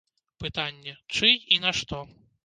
Пытанне, чый і на што?